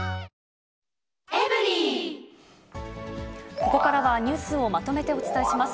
ここからはニュースをまとめてお伝えします。